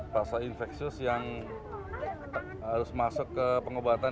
fase infeksius yang harus masuk ke pengobatan